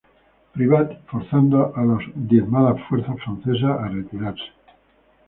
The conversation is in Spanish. Privat, forzando a las diezmadas fuerzas francesas a retirarse.